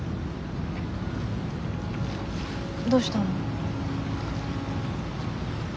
どうしたの？